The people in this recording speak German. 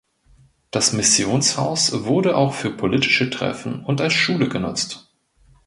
Das Missionshaus wurde auch für politische Treffen und als Schule genutzt.